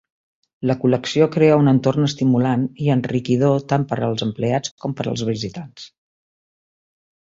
La col·lecció crea un entorn estimulant i enriquidor tant per als empleats com per als visitants.